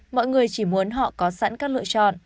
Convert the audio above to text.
mọi người chỉ muốn họ có sẵn các lựa chọn